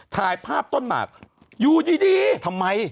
ถ่ายภาพต้นหมากอยู่ดีทำไม